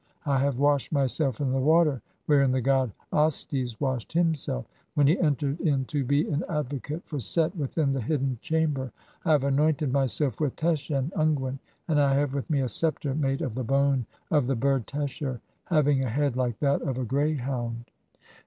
I have "washed myself in the water wherein the god Astes washed bim "self when he entered in to be an advocate for Set within the "hidden chamber. (40) I have anointed myself with teshen un "guent, and I have with me a sceptre made of the bone of the "bird lesher, having a head like that of a greyhound."